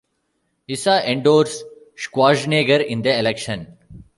Issa endorsed Schwarzenegger in the election.